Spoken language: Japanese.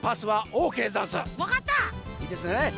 いいですね？